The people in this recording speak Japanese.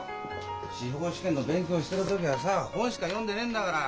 司法試験の勉強してる時はさ本しか読んでねえんだから。